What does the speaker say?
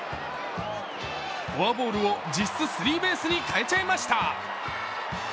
フォアボールを実質、スリーベースに変えちゃいました。